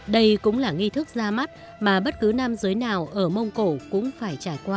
đây cũng là nghi thức ra mắt mà bất cứ nam giới nào ở mông cổ cũng phải trải qua